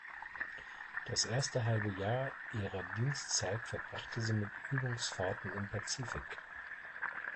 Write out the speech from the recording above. Das erste halbe Jahr ihrer Dienstzeit verbrachte sie mit Übungsfahrten im Pazifik.